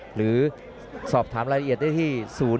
หรือสอบถามรายละเอียดได้ที่๐๓๔๓๙๙๒๖๒